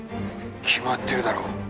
「決まっているだろ」